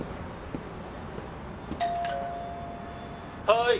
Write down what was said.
「はい」